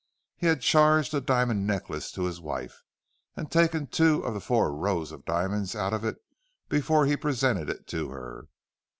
He had charged a diamond necklace to his wife, and taken two of the four rows of diamonds out of it before he presented it to her!